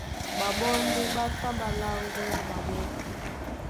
Ɓaɓɔ́ ndé ɓá tá ɓá láŋgwea ɓaɓó.